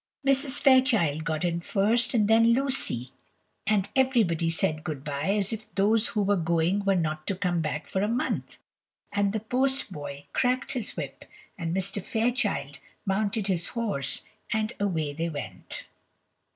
Mrs. Fairchild got in first, and then Lucy; and everybody said good bye as if those who were going were not to come back for a month; and the post boy cracked his whip, and Mr. Fairchild mounted his horse, and away they went.